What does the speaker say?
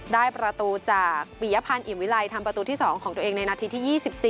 ได้ประตูจากปียพันธ์อิ่มวิลัยทำประตูที่๒ของตัวเองในนาทีที่๒๔